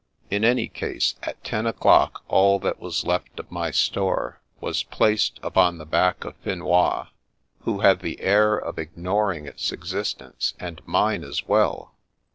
In any case, at ten o'clock all that was left of my store was placed upon the back of Finois, who had the air of ignoring its existence, and mine as well..